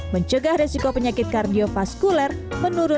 mencegah resiko penyakit kardiofaskuler